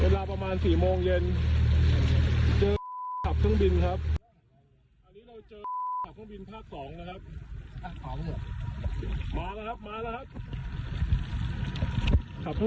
ขับเครื่องบินผ่านผลครับ